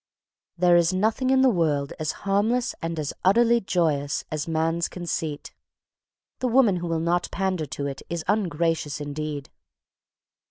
There is nothing in the world as harmless and as utterly joyous as man's conceit. The woman who will not pander to it is ungracious indeed.